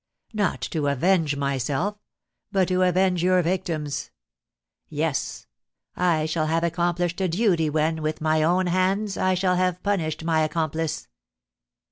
Not to avenge myself, but to avenge your victims, yes, I shall have accomplished a duty when, with my own hands, I shall have punished my accomplice.